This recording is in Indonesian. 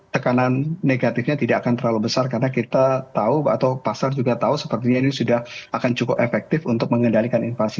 tekanan negatifnya tidak akan terlalu besar karena kita tahu atau pasar juga tahu sepertinya ini sudah akan cukup efektif untuk mengendalikan inflasi